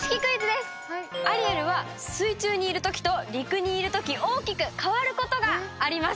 アリエルは水中にいる時と陸にいる時大きく変わることがあります。